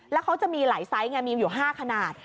แล้วเขาจะมีหลายไซส์ไงมีอยู่๕ขนาด